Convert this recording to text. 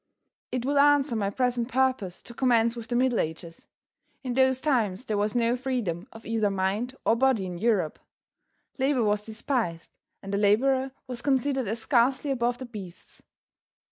It will answer my present purpose to commence with the Middle Ages. In those times there was no freedom of either mind or body in Europe. Labor was despised, and a laborer was considered as scarcely above the beasts.